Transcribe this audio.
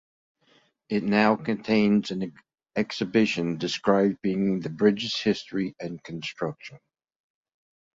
It now contains an exhibition describing the bridge's history and construction.